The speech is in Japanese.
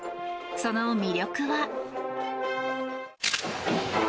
その魅力は。